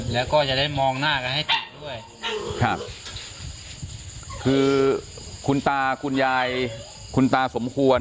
แล้วก็จะได้มองหน้ากันให้ดูด้วย